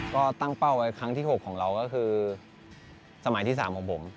ก็ตั้งเป้าไว้ครั้งที่๖ของเราก็คือสมัยที่๓ของผม